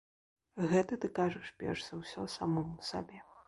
Гэта ты кажаш перш за ўсё самому сабе.